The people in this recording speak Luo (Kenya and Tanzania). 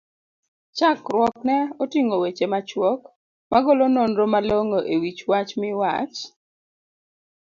chakruokne oting'o weche machuok, magolo nonro malongo e wich wach miwach?